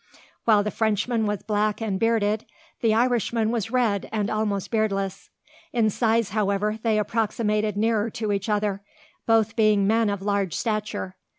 While the Frenchman was black and bearded, the Irishman was red and almost beardless. In size, however, they approximated nearer to each other, both being men of large stature.